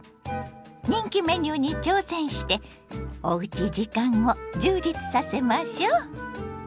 人気メニューに挑戦しておうち時間を充実させましょ。